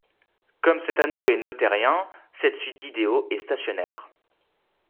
Comme cet anneau est noethérien, cette suite d'idéaux est stationnaire.